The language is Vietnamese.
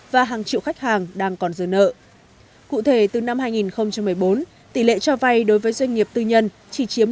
và hàng triệu khách hàng đang còn dư nợ cụ thể từ năm hai nghìn một mươi bốn tỷ lệ cho vay đối với doanh nghiệp tư nhân chỉ chiếm bốn mươi